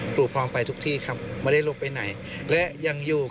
ครูพร้อมไปทุกที่ครับไม่ได้หลบไปไหนและยังอยู่